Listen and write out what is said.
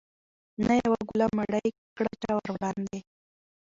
نه یوه ګوله مړۍ کړه چا وروړاندي